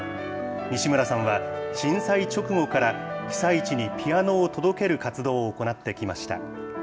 西村さんは、震災直後から、被災地にピアノを届ける活動を行ってきました。